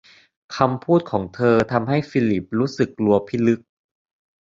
คำพูดของเธอ ทำให้ฟิลิปรู้สึกกลัวพิลึก